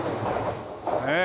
ねえ。